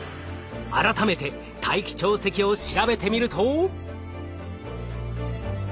改めて大気潮汐を調べてみると。